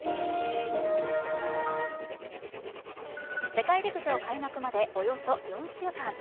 世界陸上開幕までおよそ４週間。